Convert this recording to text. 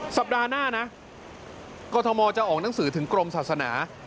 สัปดาห์หน้านะกรทมจะออกหนังสือถึงกรมศาสนา